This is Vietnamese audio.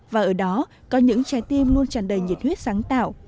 và ở đó có những trái tim luôn tràn đầy nhiệt huyết sáng tạo